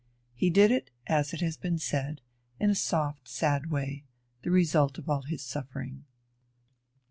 He did it, as has been said, in a soft, sad way, the result of all his suffering.